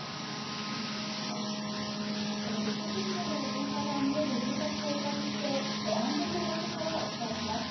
土砂崩れの現場が見える住宅をお借りして、安全な場所からお伝えします。